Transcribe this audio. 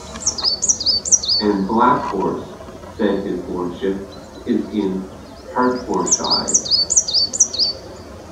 "And Bleak House," said his lordship, "is in Hertfordshire".